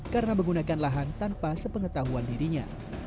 karena menggunakan lahan tanpa sepengetahuan dirinya